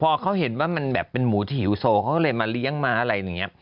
พอเขาเห็นว่ามันแบบเป็นหมูที่หิวโซเขาเลยมาเลี้ยงม้าอะไรอย่างนี้